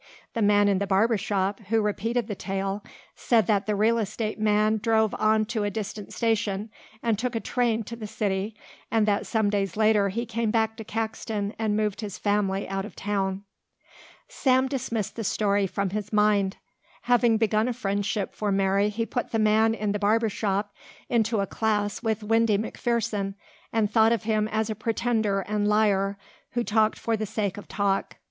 The man in the barber shop, who repeated the tale, said that the real estate man drove on to a distant station and took a train to the city, and that some days later he came back to Caxton and moved his family out of town. Sam dismissed the story from his mind. Having begun a friendship for Mary he put the man in the barber shop into a class with Windy McPherson and thought of him as a pretender and liar who talked for the sake of talk.